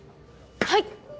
はい。